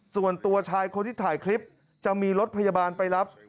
ค่ะฟังแล้วรัดทดมากเลยนะครับ